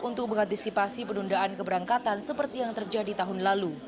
untuk mengantisipasi penundaan keberangkatan seperti yang terjadi tahun lalu